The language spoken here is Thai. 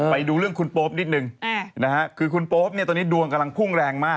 ไปดูเรื่องคุณโป๊ปนิดนึงนะฮะคือคุณโป๊ปเนี่ยตอนนี้ดวงกำลังพุ่งแรงมาก